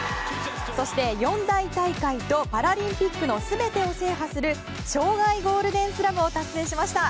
そして四大大会とパラリンピックの全てを制覇する生涯ゴールデンスラムを達成しました！